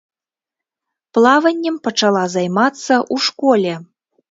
Плаваннем пачала займацца ў школе.